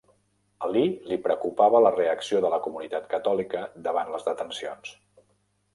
A Lee li preocupava la reacció de la comunitat catòlica davant les detencions.